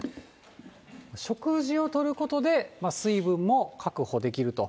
食事をとることで、水分も確保できると。